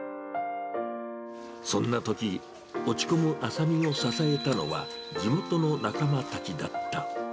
そんなとき、落ち込む浅見を支えたのは、地元の仲間たちだった。